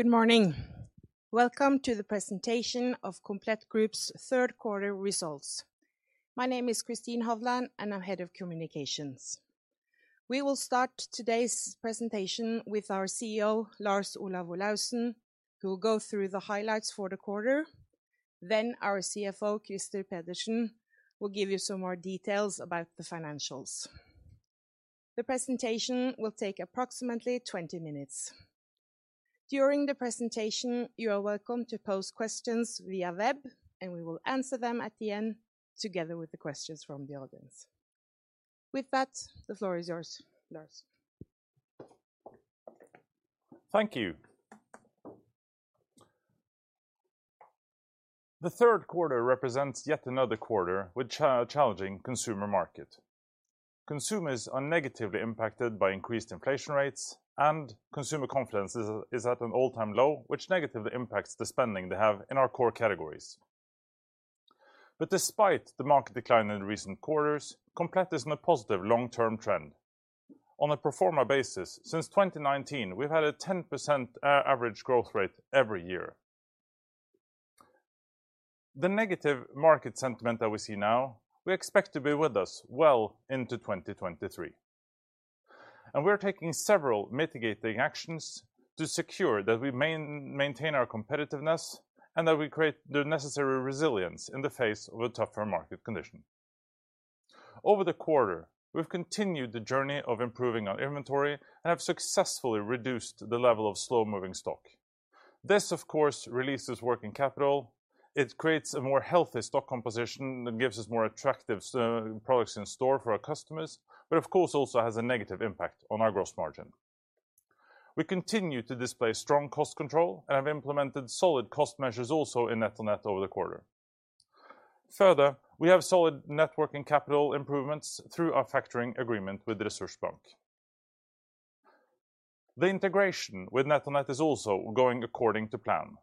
Good morning. Welcome to the presentation of Komplett Group's third quarter results. My name is Kristin Hovland, and I'm Head of Communications. We will start today's presentation with our CEO, Lars Olav Olaussen, who will go through the highlights for the quarter. Our CFO, Krister A. Pedersen, will give you some more details about the financials. The presentation will take approximately 20 minutes. During the presentation, you are welcome to pose questions via web, and we will answer them at the end together with the questions from the audience. With that, the floor is yours, Lars. Thank you. The third quarter represents yet another quarter with challenging consumer market. Consumers are negatively impacted by increased inflation rates and consumer confidence is at an all-time low, which negatively impacts the spending they have in our core categories. Despite the market decline in recent quarters, Komplett is in a positive long-term trend. On a pro forma basis, since 2019, we've had a 10% average growth rate every year. The negative market sentiment that we see now, we expect to be with us well into 2023, and we're taking several mitigating actions to secure that we maintain our competitiveness and that we create the necessary resilience in the face of a tougher market condition. Over the quarter, we've continued the journey of improving our inventory and have successfully reduced the level of slow-moving stock. This, of course, releases working capital. It creates a more healthy stock composition that gives us more attractive products in store for our customers, but of course, also has a negative impact on our gross margin. We continue to display strong cost control and have implemented solid cost measures also in NetOnNet over the quarter. Further, we have solid net working capital improvements through our factoring agreement with the Resurs Bank. The integration with NetOnNet is also going according to plan.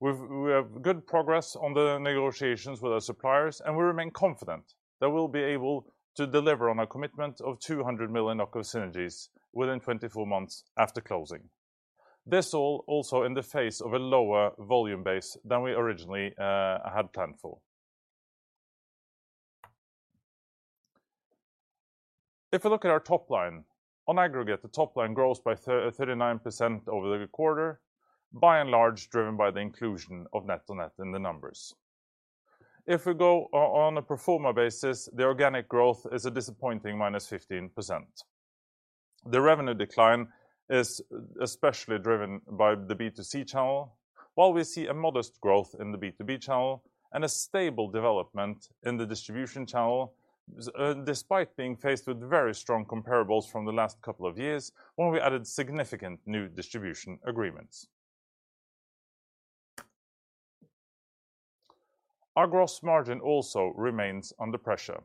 We have good progress on the negotiations with our suppliers, and we remain confident that we'll be able to deliver on our commitment of 200 million of synergies within 24 months after closing. This all also in the face of a lower volume base than we originally had planned for. If we look at our top line, on aggregate, the top line grows by 39% over the quarter, by and large driven by the inclusion of NetOnNet in the numbers. If we go on a pro forma basis, the organic growth is a disappointing -15%. The revenue decline is especially driven by the B2C channel, while we see a modest growth in the B2B channel and a stable development in the distribution channel, despite being faced with very strong comparables from the last couple of years when we added significant new distribution agreements. Our gross margin also remains under pressure.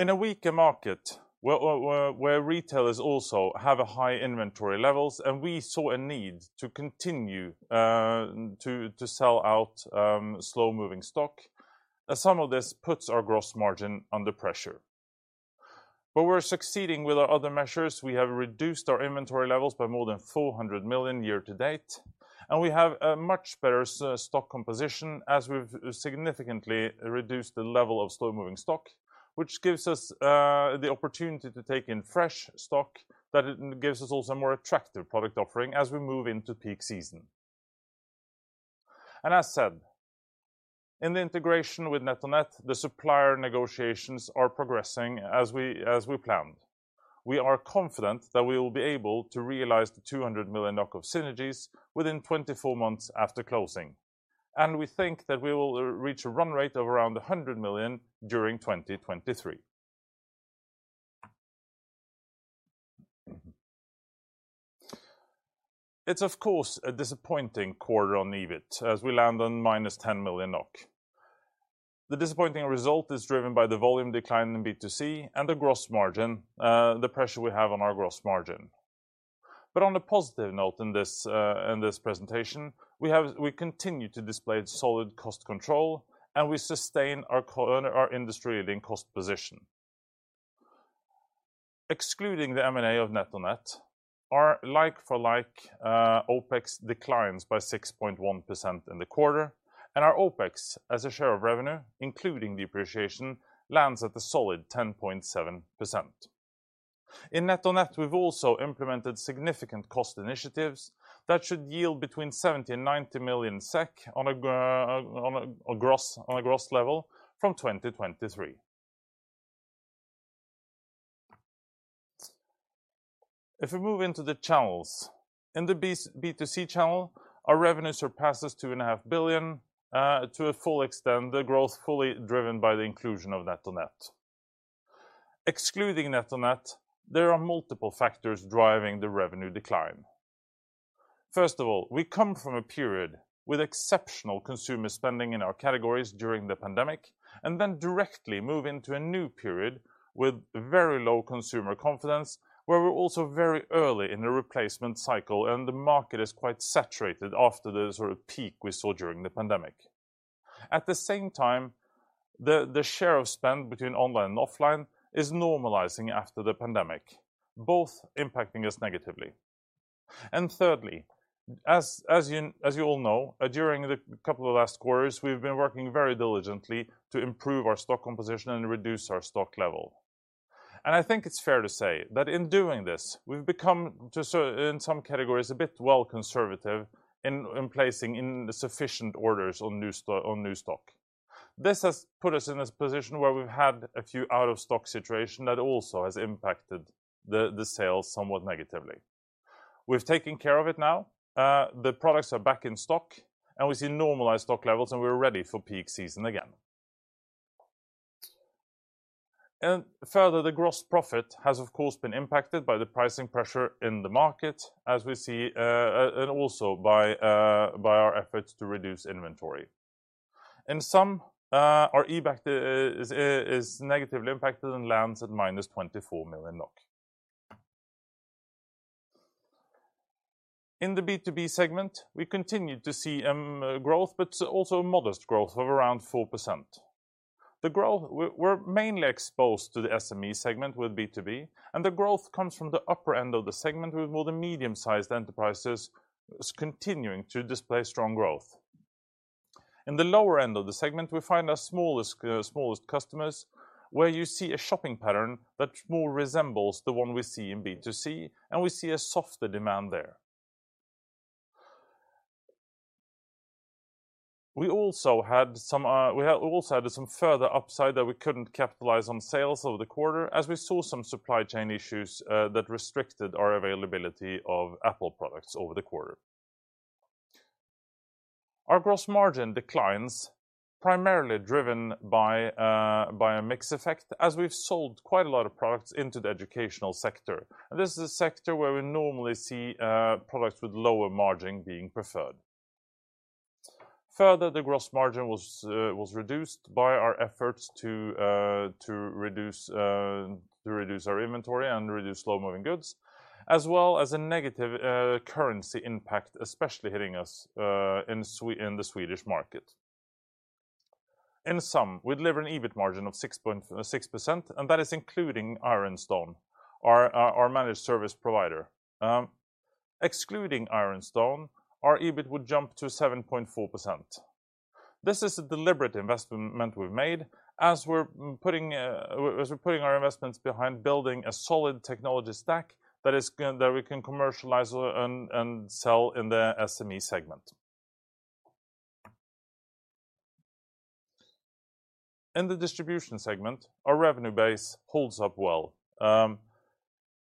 In a weaker market where retailers also have high inventory levels, and we saw a need to continue to sell out slow-moving stock, some of this puts our gross margin under pressure. We're succeeding with our other measures. We have reduced our inventory levels by more than 400 million year to date, and we have a much better stock composition as we've significantly reduced the level of slow-moving stock, which gives us the opportunity to take in fresh stock that gives us also a more attractive product offering as we move into peak season. As said, in the integration with NetOnNet, the supplier negotiations are progressing as we planned. We are confident that we will be able to realize the 200 million of synergies within 24 months after closing. We think that we will reach a run rate of around 100 million during 2023. It's of course a disappointing quarter on EBIT as we land on -10 million NOK. The disappointing result is driven by the volume decline in B2C and the gross margin, the pressure we have on our gross margin. On a positive note in this presentation, we continue to display solid cost control, and we sustain our industry-leading cost position. Excluding the M&A of NetOnNet, our like for like OpEx declines by 6.1% in the quarter, and our OpEx as a share of revenue, including depreciation, lands at a solid 10.7%. In NetOnNet, we've also implemented significant cost initiatives that should yield between 70 million and 90 million SEK on a gross level from 2023. If we move into the channels, in the B2C channel, our revenue surpasses 2.5 billion to a full extent, the growth fully driven by the inclusion of NetOnNet. Excluding NetOnNet, there are multiple factors driving the revenue decline. First of all, we come from a period with exceptional consumer spending in our categories during the pandemic and then directly move into a new period with very low consumer confidence, where we're also very early in the replacement cycle and the market is quite saturated after the sort of peak we saw during the pandemic. At the same time, the share of spend between online and offline is normalizing after the pandemic, both impacting us negatively. Thirdly, as you all know, during the couple of last quarters, we've been working very diligently to improve our stock composition and reduce our stock level. I think it's fair to say that in doing this, we've become just in some categories, a bit well conservative in placing insufficient orders on new stock. This has put us in a position where we've had a few out-of-stock situation that also has impacted the sales somewhat negatively. We've taken care of it now. The products are back in stock, and we see normalized stock levels, and we're ready for peak season again. Further, the gross profit has, of course, been impacted by the pricing pressure in the market as we see, and also by our efforts to reduce inventory. In sum, our EBITA is negatively impacted and lands at -24 million NOK. In the B2B segment, we continue to see growth, but also modest growth of around 4%. We're mainly exposed to the SME segment with B2B, and the growth comes from the upper end of the segment with more the medium-sized enterprises continuing to display strong growth. In the lower end of the segment, we find our smallest customers, where you see a shopping pattern that more resembles the one we see in B2C, and we see a softer demand there. We also had some further upside that we couldn't capitalize on sales over the quarter as we saw some supply chain issues that restricted our availability of Apple products over the quarter. Our gross margin declines primarily driven by a mix effect as we've sold quite a lot of products into the educational sector. This is a sector where we normally see products with lower margin being preferred. Further, the gross margin was reduced by our efforts to reduce our inventory and reduce slow-moving goods, as well as a negative currency impact, especially hitting us in the Swedish market. In sum, we deliver an EBIT margin of 6%, and that is including Ironstone, our managed service provider. Excluding Ironstone, our EBIT would jump to 7.4%. This is a deliberate investment we've made as we're putting our investments behind building a solid technology stack that we can commercialize and sell in the SME segment. In the distribution segment, our revenue base holds up well.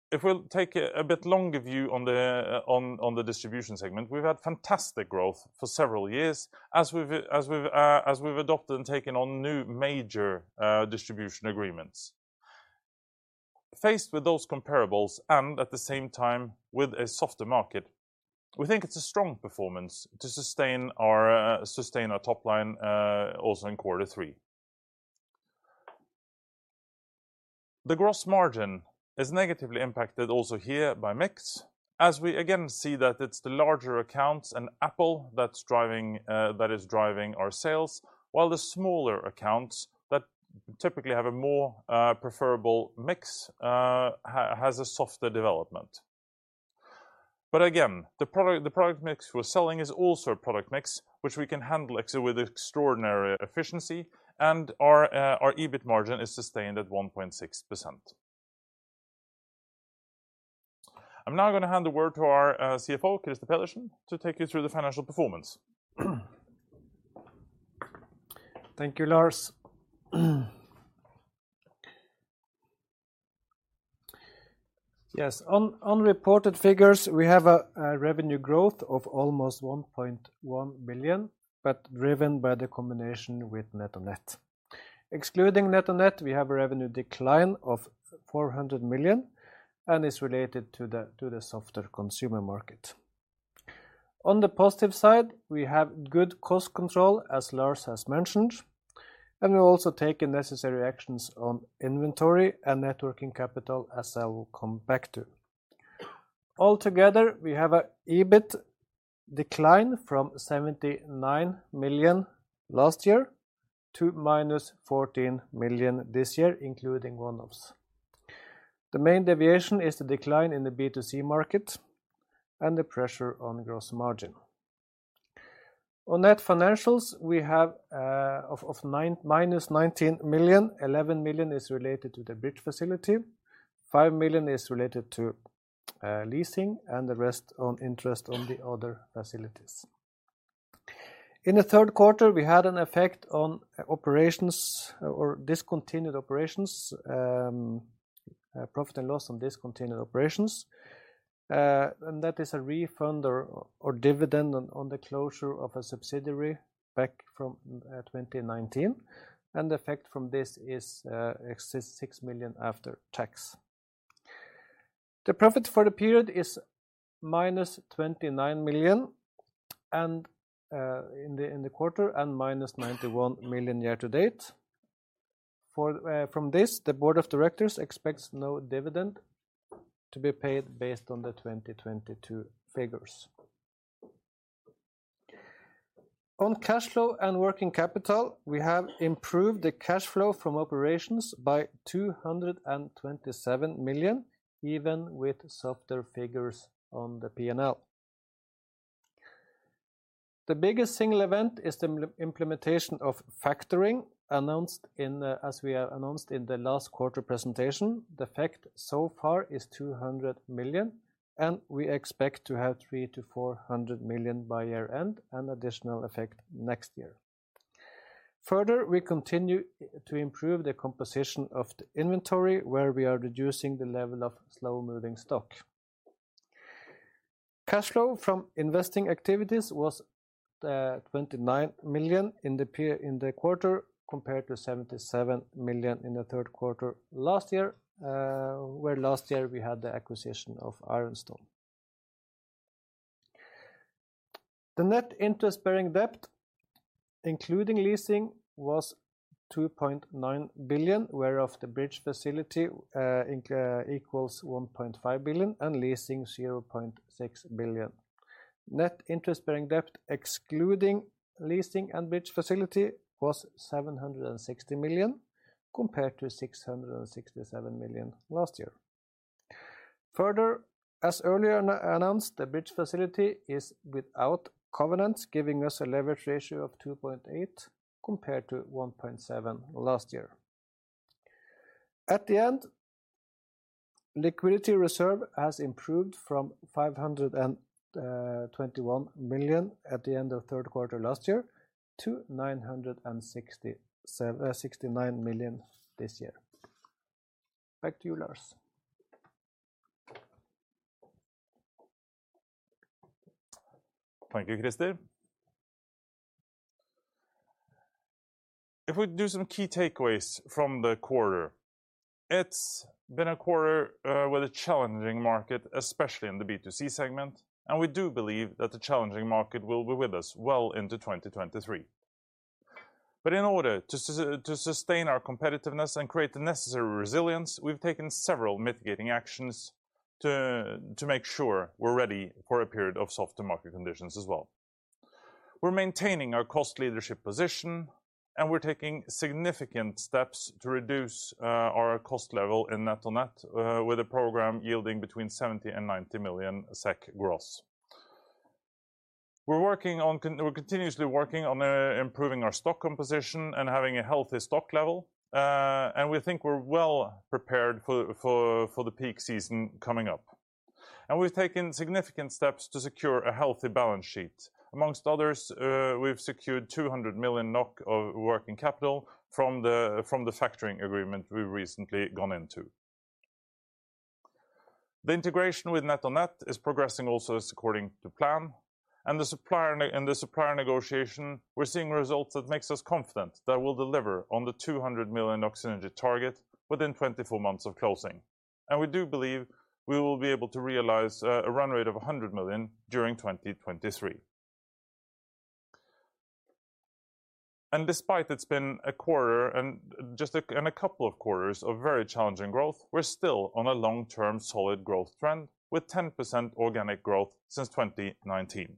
If we'll take a bit longer view on the distribution segment, we've had fantastic growth for several years as we've adopted and taken on new major distribution agreements. Faced with those comparables and at the same time with a softer market, we think it's a strong performance to sustain our top line also in quarter three. The gross margin is negatively impacted also here by mix, as we again see that it's the larger accounts and Apple that's driving our sales, while the smaller accounts that typically have a more preferable mix has a softer development. Again, the product mix we're selling is also a product mix which we can handle with extraordinary efficiency, and our EBIT margin is sustained at 1.6%. I'm now gonna hand the word to our CFO, Krister A. Pedersen, to take you through the financial performance. Thank you, Lars. Yes. On reported figures, we have a revenue growth of almost 1.1 million, but driven by the combination with NetOnNet. Excluding NetOnNet, we have a revenue decline of 400 million and is related to the softer consumer market. On the positive side, we have good cost control, as Lars has mentioned, and we're also taking necessary actions on inventory and net working capital, as I will come back to. Altogether, we have a EBIT decline from 79 million last year to -14 million this year, including one-offs. The main deviation is the decline in the B2C market and the pressure on gross margin. On net financials, we have -19 million, 11 million is related to the bridge facility, 5 million is related to leasing, and the rest on interest on the other facilities. In the third quarter, we had an effect on operations or discontinued operations, profit and loss on discontinued operations, and that is a refund or dividend on the closure of a subsidiary back from 2019. The effect from this is 6 million after tax. The profit for the period is -29 million in the quarter and -91 million year to date. From this, the board of directors expects no dividend to be paid based on the 2022 figures. On cash flow and working capital, we have improved the cash flow from operations by 227 million, even with softer figures on the P&L. The biggest single event is the implementation of factoring, announced as we have announced in the last quarter presentation. The effect so far is 200 million, and we expect to have 300-400 million by year-end, and additional effect next year. Further, we continue to improve the composition of the inventory, where we are reducing the level of slow-moving stock. Cash flow from investing activities was 29 million in the quarter, compared to 77 million in the third quarter last year, where last year we had the acquisition of Ironstone. The net interest-bearing debt, including leasing, was 2.9 billion, whereof the bridge facility equals 1.5 billion, and leasing 0.6 billion. Net interest-bearing debt, excluding leasing and bridge facility, was 760 million, compared to 667 million last year. Further, as earlier announced, the bridge facility is without covenants, giving us a leverage ratio of 2.8, compared to 1.7 last year. At the end, liquidity reserve has improved from 521 million at the end of third quarter last year to 969 million this year. Back to you, Lars. Thank you, Krister. If we do some key takeaways from the quarter, it's been a quarter with a challenging market, especially in the B2C segment, and we do believe that the challenging market will be with us well into 2023. In order to sustain our competitiveness and create the necessary resilience, we've taken several mitigating actions to make sure we're ready for a period of softer market conditions as well. We're maintaining our cost leadership position, and we're taking significant steps to reduce our cost level in NetOnNet with a program yielding between 70 million and 90 million SEK gross. We're continuously working on improving our stock composition and having a healthy stock level. We think we're well prepared for the peak season coming up. We've taken significant steps to secure a healthy balance sheet. Among others, we've secured 200 million NOK of working capital from the factoring agreement we've recently gone into. The integration with NetOnNet is progressing also as according to plan. The supplier in the supplier negotiation, we're seeing results that makes us confident that we'll deliver on the 200 million NOK synergy target within 24 months of closing. We do believe we will be able to realize a run rate of 100 million during 2023. Despite it's been a quarter and a couple of quarters of very challenging growth, we're still on a long-term solid growth trend, with 10% organic growth since 2019.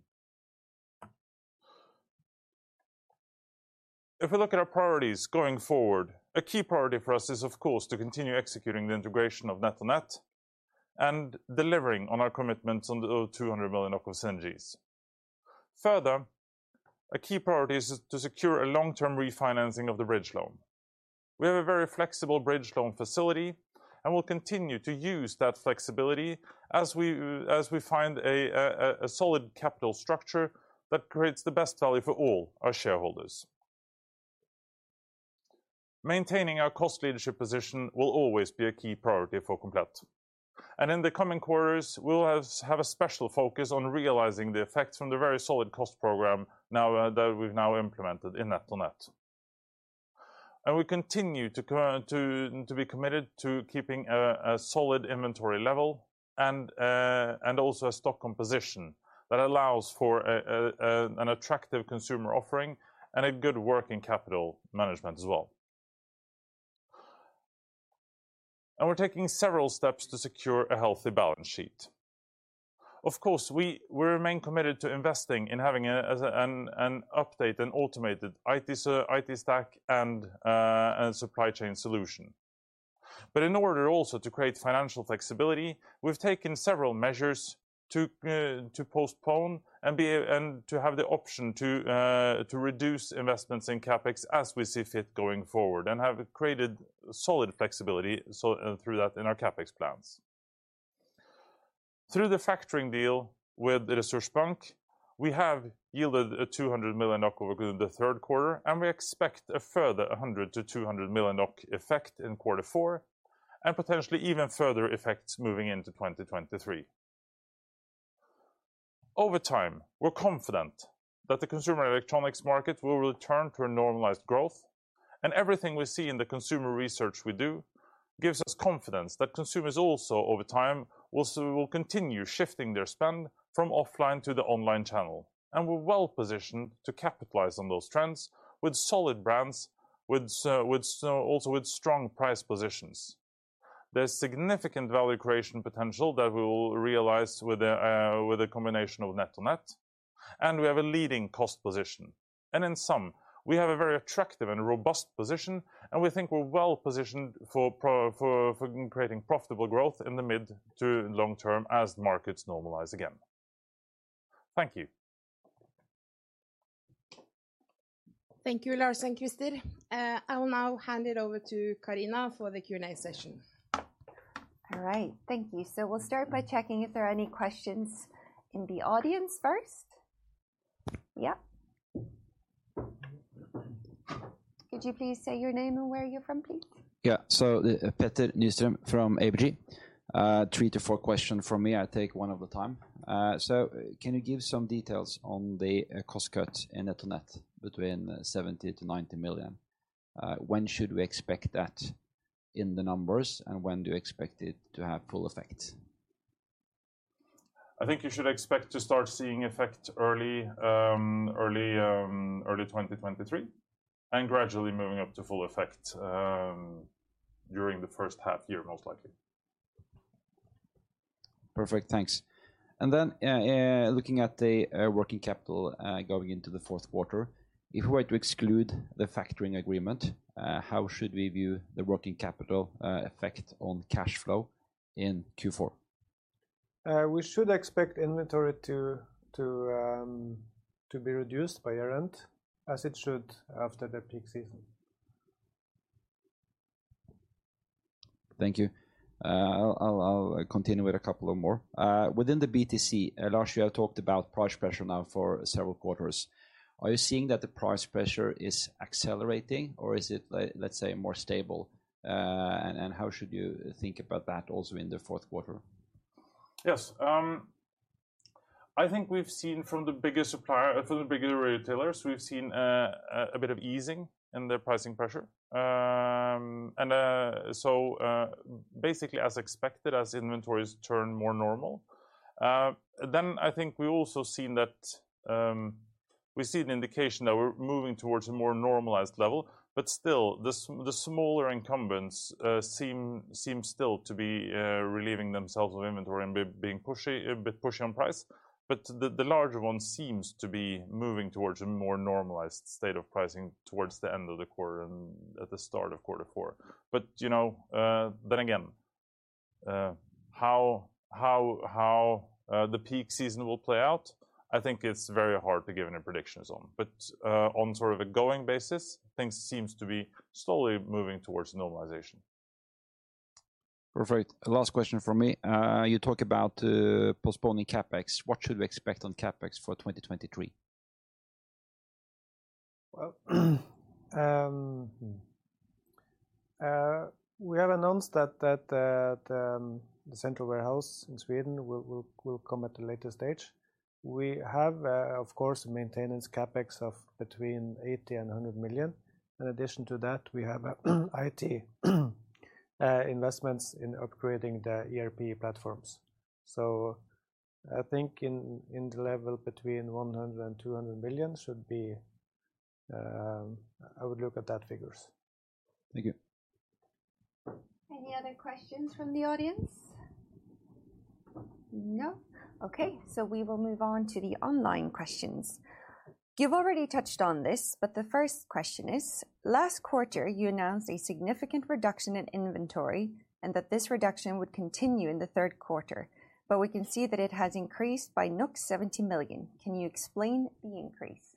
If we look at our priorities going forward, a key priority for us is of course to continue executing the integration of NetOnNet and delivering on our commitments on the 200 million of synergies. Further, a key priority is to secure a long-term refinancing of the bridge loan. We have a very flexible bridge loan facility and will continue to use that flexibility as we find a solid capital structure that creates the best value for all our shareholders. Maintaining our cost leadership position will always be a key priority for Komplett. In the coming quarters we'll have a special focus on realizing the effects from the very solid cost program now that we've now implemented in NetOnNet. We continue to be committed to keeping a solid inventory level and also a stock composition that allows for an attractive consumer offering and a good working capital management as well. We're taking several steps to secure a healthy balance sheet. Of course, we remain committed to investing in having an updated and automated IT stack and supply chain solution. In order also to create financial flexibility, we've taken several measures to postpone and to have the option to reduce investments in CapEx as we see fit going forward, and have created solid flexibility so through that in our CapEx plans. Through the factoring deal with the Resurs Bank, we have yielded 200 million NOK over the third quarter, and we expect a further 100 million-200 million NOK effect in quarter four, and potentially even further effects moving into 2023. Over time, we're confident that the consumer electronics market will return to a normalized growth. Everything we see in the consumer research we do gives us confidence that consumers also over time will continue shifting their spend from offline to the online channel, and we're well-positioned to capitalize on those trends with solid brands, with, also with strong price positions. There's significant value creation potential that we will realize with a, with a combination of NetOnNet, and we have a leading cost position. In sum, we have a very attractive and robust position, and we think we're well-positioned for creating profitable growth in the mid to long term as markets normalize again. Thank you. Thank you, Lars and Krister. I will now hand it over to Carina for the Q&A session. All right. Thank you. We'll start by checking if there are any questions in the audience first. Yeah. Could you please say your name and where you're from, please? Petter Nyström from ABG. Three or four questions from me. I take one at a time. Can you give some details on the cost cut in NetOnNet between 70 million and 90 million? When should we expect that in the numbers, and when do you expect it to have full effect? I think you should expect to start seeing effect early 2023, and gradually moving up to full effect during the first half year most likely. Perfect. Thanks. Looking at the working capital going into the fourth quarter, if we were to exclude the factoring agreement, how should we view the working capital effect on cash flow in Q4? We should expect inventory to be reduced by year-end, as it should after the peak season. Thank you. I'll continue with a couple of more. Within the B2C, Lars, you have talked about price pressure now for several quarters. Are you seeing that the price pressure is accelerating, or is it let's say, more stable? How should you think about that also in the fourth quarter? Yes. I think we've seen from the bigger retailers a bit of easing in their pricing pressure. Basically, as expected, as inventories turn more normal. I think we also seen that we see an indication that we're moving towards a more normalized level, but still, the smaller incumbents seem still to be relieving themselves of inventory and being a bit pushy on price. The larger ones seems to be moving towards a more normalized state of pricing towards the end of the quarter and at the start of quarter four. You know, then again, how the peak season will play out, I think it's very hard to give any predictions on. On sort of a going basis, things seems to be slowly moving towards normalization. Perfect. Last question from me. You talk about postponing CapEx. What should we expect on CapEx for 2023? We have announced that the central warehouse in Sweden will come at a later stage. We have, of course, maintenance CapEx of between 80 million and 100 million. In addition to that, we have IT investments in upgrading the ERP platforms. I think in the level between 100 million and 200 million should be. I would look at those figures. Thank you. Any other questions from the audience? No? Okay. We will move on to the online questions. You've already touched on this, but the first question is, last quarter, you announced a significant reduction in inventory and that this reduction would continue in the third quarter. We can see that it has increased by 70 million. Can you explain the increase?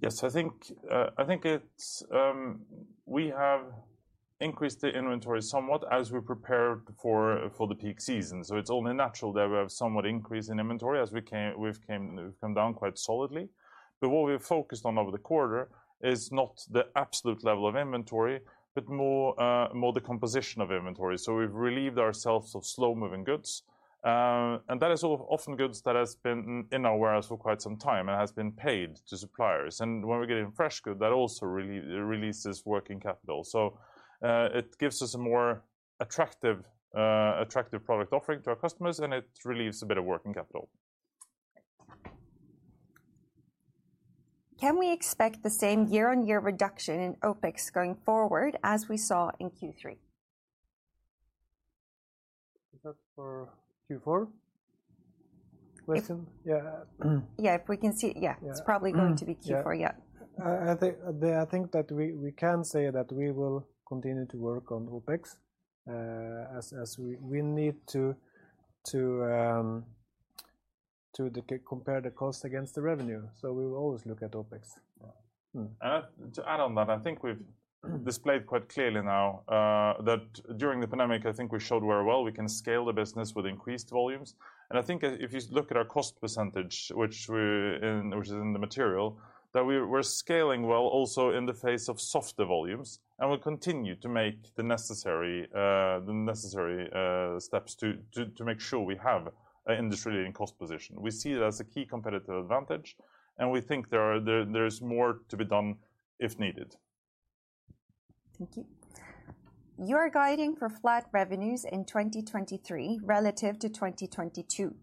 Yes. I think it's we have increased the inventory somewhat as we prepare for the peak season. It's only natural that we have somewhat increase in inventory as we've come down quite solidly. What we've focused on over the quarter is not the absolute level of inventory but more the composition of inventory. We've relieved ourselves of slow-moving goods, and that is often goods that has been in our warehouse for quite some time and has been paid to suppliers. When we're getting fresh good, that also releases working capital. It gives us a more attractive product offering to our customers, and it relieves a bit of working capital. Can we expect the same year-on-year reduction in OpEx going forward as we saw in Q3? Is that for Q4 question? Yeah. Yeah. If we can see. Yeah. Yeah. It's probably going to be Q4. Yeah. I think that we can say that we will continue to work on OpEx, as we need to compare the cost against the revenue. We will always look at OpEx. To add on that, I think we've displayed quite clearly now, that during the pandemic, I think we showed very well we can scale the business with increased volumes. I think if you look at our cost percentage, which is in the material, that we're scaling well also in the face of softer volumes, and we'll continue to make the necessary steps to make sure we have an industry-leading cost position. We see it as a key competitive advantage, and we think there is more to be done if needed. Thank you. You are guiding for flat revenues in 2023 relative to 2022.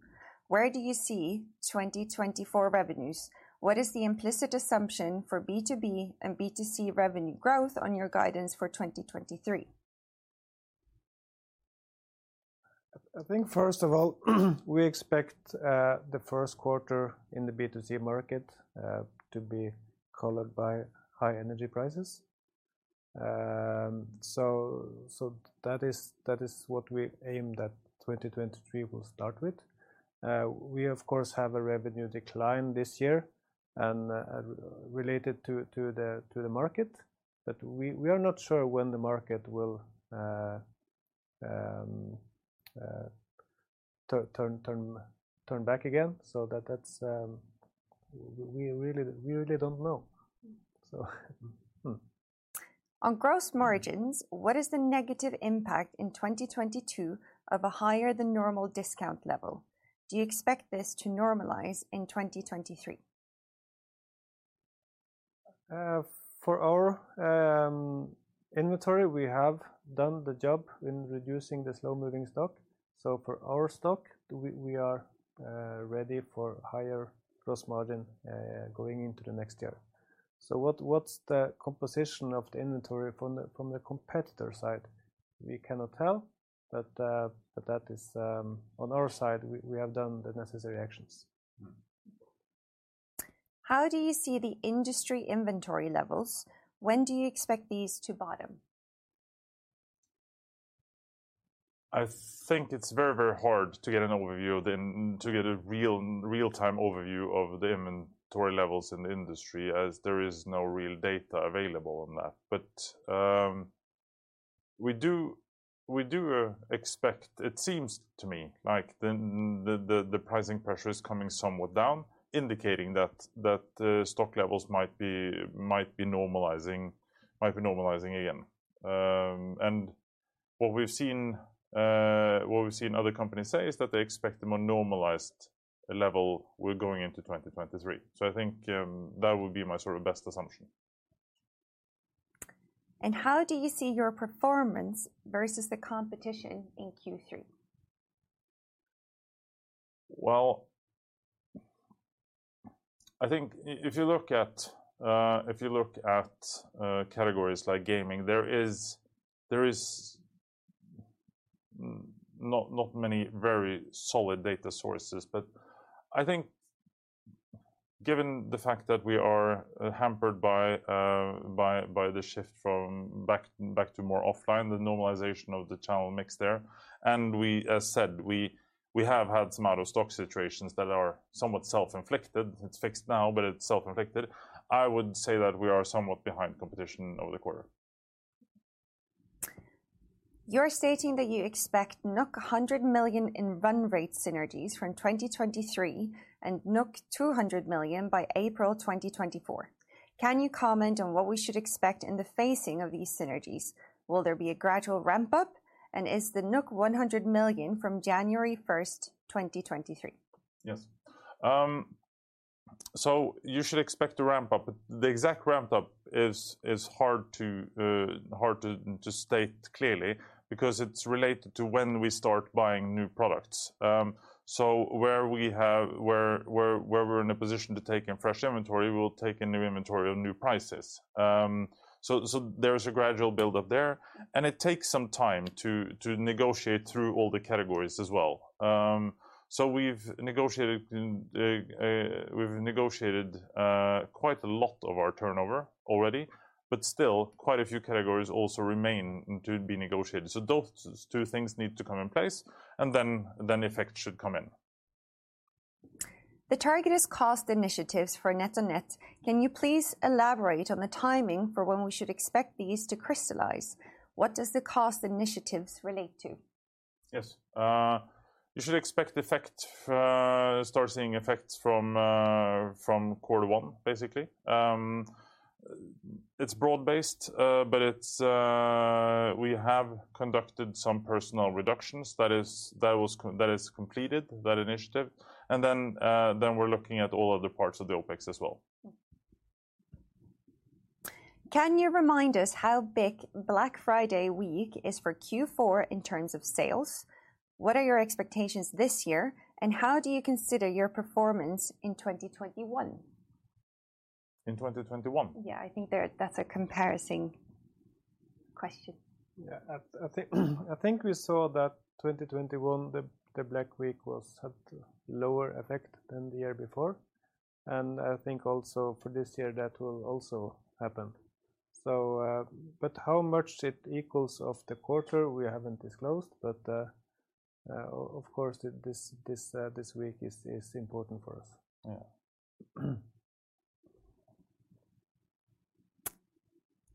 Where do you see 2024 revenues? What is the implicit assumption for B2B and B2C revenue growth on your guidance for 2023? I think first of all, we expect the first quarter in the B2C market to be colored by high energy prices. That is what we aim that 2023 will start with. We of course have a revenue decline this year and related to the market. We are not sure when the market will turn back again. That's we really don't know. On gross margins, what is the negative impact in 2022 of a higher than normal discount level? Do you expect this to normalize in 2023? For our inventory, we have done the job in reducing the slow-moving stock. For our stock we are ready for higher gross margin going into the next year. What's the composition of the inventory from the competitor side? We cannot tell, but that is on our side we have done the necessary actions. How do you see the industry inventory levels? When do you expect these to bottom? I think it's very hard to get an overview harder than to get a real-time overview of the inventory levels in the industry as there is no real data available on that. We do expect. It seems to me like the pricing pressure is coming somewhat down, indicating that stock levels might be normalizing again. What we've seen other companies say is that they expect a more normalized level going into 2023. I think that would be my sort of best assumption. How do you see your performance versus the competition in Q3? Well, I think if you look at categories like gaming, there is not many very solid data sources. I think given the fact that we are hampered by the shift back to more offline, the normalization of the channel mix there, and, as said, we have had some out of stock situations that are somewhat self-inflicted. It's fixed now, but it's self-inflicted. I would say that we are somewhat behind competition over the quarter. You're stating that you expect 100 million in run rate synergies from 2023 and 200 million by April 2024. Can you comment on what we should expect in the phasing of these synergies? Will there be a gradual ramp up, and is the 100 million from January 1st, 2023? Yes. You should expect a ramp up. The exact ramp up is hard to state clearly because it's related to when we start buying new products. Where we're in a position to take in fresh inventory, we'll take in new inventory on new prices. There's a gradual build up there, and it takes some time to negotiate through all the categories as well. We've negotiated quite a lot of our turnover already, but still quite a few categories also remain to be negotiated. Those two things need to come in place, and then effect should come in. The target is cost initiatives for NetOnNet. Can you please elaborate on the timing for when we should expect these to crystallize? What does the cost initiatives relate to? Yes. You should expect to start seeing effects from quarter one, basically. It's broad-based, but we have conducted some personnel reductions. That is completed, that initiative. Then we're looking at all other parts of the OpEx as well. Can you remind us how big Black Friday week is for Q4 in terms of sales? What are your expectations this year, and how do you consider your performance in 2021? In 2021? Yeah. I think that's a comparison question. Yeah. I think we saw that 2021, the Black Week had lower effect than the year before, and I think also for this year, that will also happen. How much it equals of the quarter, we haven't disclosed. Of course, this week is important for us.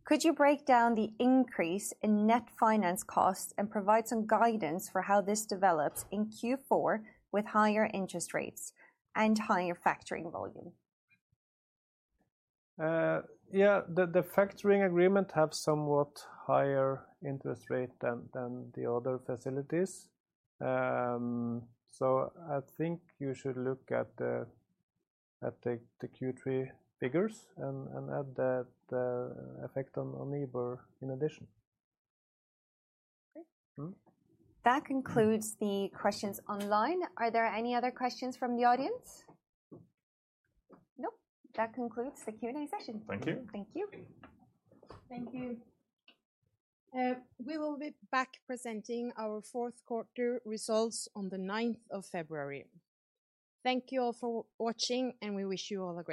Yeah. Could you break down the increase in net finance costs and provide some guidance for how this develops in Q4 with higher interest rates and higher factoring volume? Yeah. The factoring agreement have somewhat higher interest rate than the other facilities. I think you should look at the Q3 figures and add that effect on NIBOR in addition. Okay. Mm-hmm. That concludes the questions online. Are there any other questions from the audience? Nope. That concludes the Q&A session. Thank you. Thank you. Thank you. We will be back presenting our fourth quarter results on the ninth of February. Thank you all for watching, and we wish you all a great day.